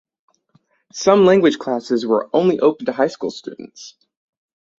Some languages classes were only open to high school students.